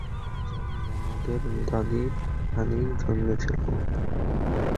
জানেন, আমাদের দাদি এখানেই জন্মেছিল।